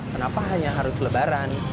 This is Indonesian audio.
kenapa hanya harus lebaran